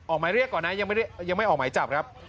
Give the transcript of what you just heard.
หมายเรียกก่อนนะยังไม่ออกหมายจับครับ